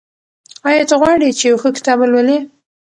آیا ته غواړې چې یو ښه کتاب ولولې؟